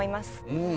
うん。